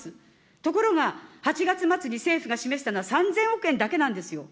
ところが、８月末に政府が示したのは、３０００億円だけなんですよ。